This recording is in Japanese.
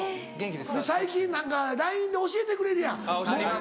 最近何かＬＩＮＥで教えてくれるやん。